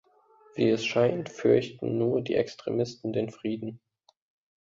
Wie es scheint, fürchten nur die Extremisten den Frieden.